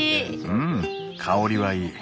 うん香りはいい。